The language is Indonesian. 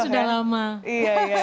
mungkin terlalu berjodoh kan